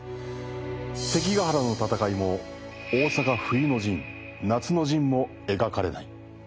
関ヶ原の戦いも大坂冬の陣・夏の陣も描かれない。